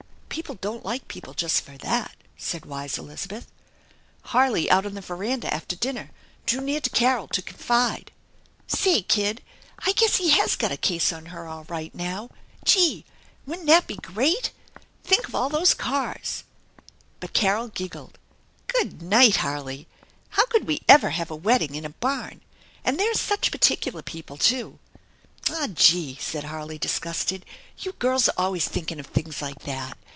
"People don't like people just for that," said wise Elizabeth. Harley, out on the veranda after dinner, drew near to Carol to confide. " Say, kid, I guess he has got a case on her dll right now. Gee ! Wouldn't that be great ? Think of all those cars !" But Carol giggled. " Good night ! Harley ! How could we ever have a wed ding in a barn ? And they're such particular people, too !" "Aw, gee !" said Harley, disgusted. " You girls are always thinking of things like that